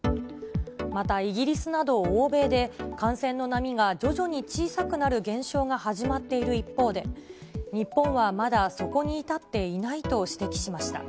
またイギリスなど欧米で、感染の波が徐々に小さくなる現象が始まっている一方で、日本はまだ、そこに至っていないと指摘しました。